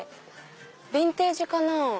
ビンテージかな？